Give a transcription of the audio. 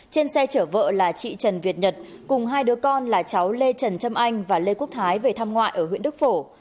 trên xe chở vợ là chị trần việt nhật cùng hai đứa con là cháu lê trần trâm anh và lê quốc thái về thăm ngoại ở huyện đức phổ